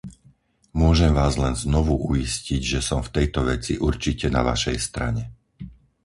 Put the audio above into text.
Môžem vás len znovu uistiť, že som v tejto veci určite na vašej strane.